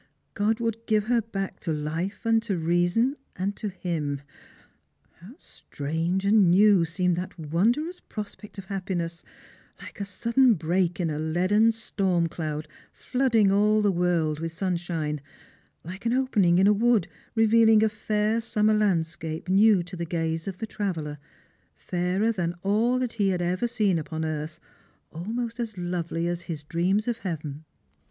God would give her back to life and reason, and to him. How strange and new seemed that won drous prosj^ect of happiness ! like a sadden break in a leaden storm cloud Hooding all the world with sunshine ; like an opening in a wood revealing a fair summer landscape new to the gaze of the traveller, fairer than all that he had ever seen upon earth, almost as lovely as his dreams of heaven.